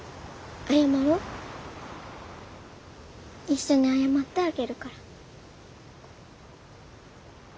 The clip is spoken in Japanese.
一緒に謝ってあげるから。